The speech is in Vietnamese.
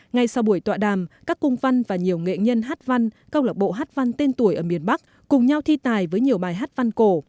ngay sau buổi tọa đàm các cung văn và nhiều nghệ nhân hát văn câu lạc bộ hát văn tên tuổi ở miền bắc cùng nhau thi tài với nhiều bài hát văn cổ